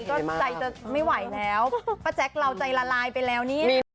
ก็ใจจะไม่ไหวแล้วป้าแจ๊คเราใจละลายไปแล้วเนี่ย